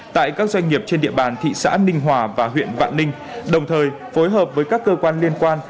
tại các doanh nghiệp trên địa bàn thị xã ninh hòa và huyện vạn ninh đồng thời phối hợp với các cơ quan liên quan